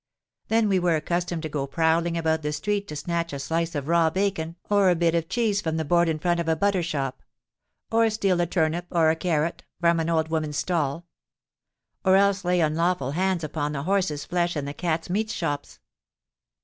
Then we were accustomed to go prowling about the street to snatch a slice of raw bacon or a bit of cheese from the board in front of a butter shop; or steal a turnip or a carrot from an old woman's stall; or else lay unlawful hands upon the horses' flesh in the cats' meat shops.